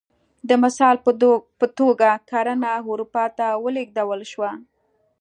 د مثال په توګه کرنه اروپا ته ولېږدول شوه